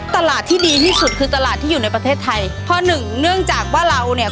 ตลาดที่ดีที่สุดคือตลาดที่อยู่ในประเทศไทยเพราะหนึ่งเนื่องจากว่าเราเนี่ย